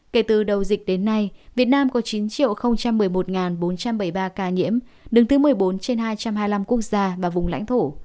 kể từ đầu dịch đến nay việt nam có chín một mươi một bốn trăm bảy mươi ba ca nhiễm đứng thứ một mươi bốn trên hai trăm hai mươi năm quốc gia và vùng lãnh thổ